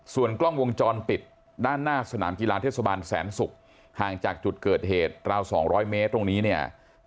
ส่วนกล้องวงจรปิดด้านหน้าสนามกีฬาเทศบาลแสนศุกร์ห่างจากจุดเกิดเหตุราว๒๐๐เมตรตรงนี้เนี่ย